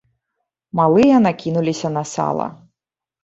Малыя накінуліся на сала.